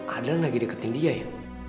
ada yang lagi deketin dia ya